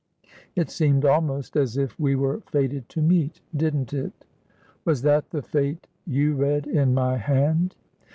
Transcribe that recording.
It seemed almost as if we were fated to meet, didn't it ?'' Was that the fate you read in my hand